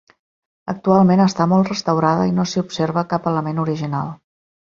Actualment està molt restaurada i no s'hi observa cap element original.